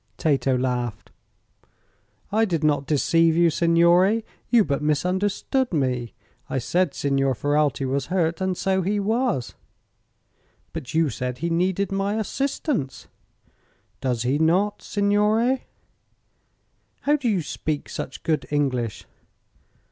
Tato laughed. "I did not deceive you, signore. You but misunderstood me. I said Signor Ferralti was hurt, and so he was." "But you said he needed my assistance." "Does he not, signore?" "How do you speak such good English?"